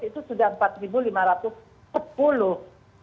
itu sudah empat lima ratus sepuluh